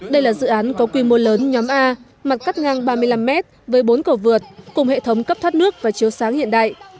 đây là dự án có quy mô lớn nhóm a mặt cắt ngang ba mươi năm m với bốn cầu vượt cùng hệ thống cấp thoát nước và chiếu sáng hiện đại